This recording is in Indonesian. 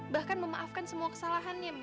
bahkan memaafkan semua kesalahannya